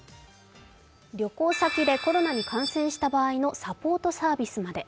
旅行先でコロナに感染した場合のサポートサービスまで。